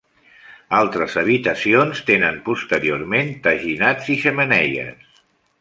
Altres habitacions tenen posteriorment teginats i xemeneies.